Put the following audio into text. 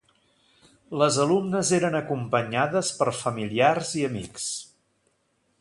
Les alumnes eren acompanyades per familiars i amics.